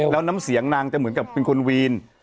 แล้วน้ำเสียงนางจะเหมือนกับเป็นคนวีน